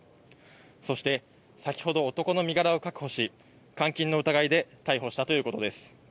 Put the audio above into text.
そして先ほど男の身柄を確保し監禁の疑いで逮捕したということです。